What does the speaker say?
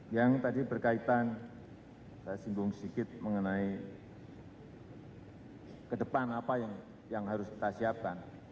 yang tadi berkaitan saya singgung sedikit mengenai ke depan apa yang harus kita siapkan